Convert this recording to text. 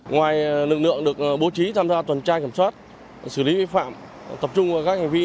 ngoài lực lượng được bố trí tham gia tuần tra kiểm soát xử lý vi phạm tập trung vào các hành vi